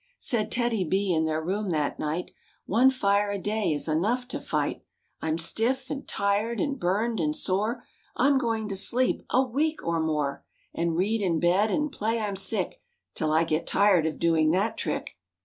Said TEDDY B, in their room that night, " One fire a day is enough to fight; I'm stiff and tired and burned and sore; I'm going to sleep a week or more, And read in bed and play I'm sick Till I get tired of doing the trick."